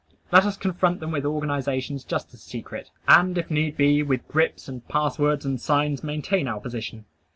Let us confront them with organizations just as secret, and, if need be, with grips, and pass words, and signs maintain our position.